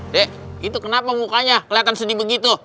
dek itu kenapa mukanya kelihatan sedih begitu